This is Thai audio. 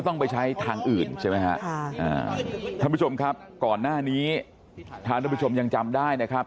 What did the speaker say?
แต่ธ้าท่านผู้ชมยังจำได้นะครับ